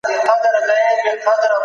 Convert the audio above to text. د افرادو شغلي شرايط تر څېړنې لاندې دي.